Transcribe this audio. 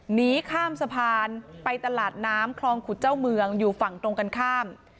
หนีข้ามสะพานไปตลาดน้ำคลองขุดเจ้าเมืองอยู่ฝั่งตรงกันข้าม